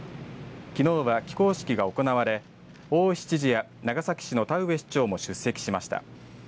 きのうは起工式が行われ大石知事や長崎市の田上市長も出席しました。